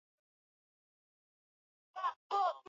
fulsa ya kwake edwin davidi deketela kunako magazeti karibu sana